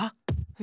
え。